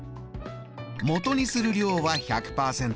もとにする量は１００％。